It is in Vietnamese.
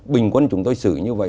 bình quân chúng tôi xử như vậy